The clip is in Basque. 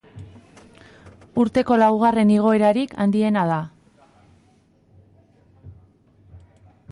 Urteko laugarren igoerarik handiena da.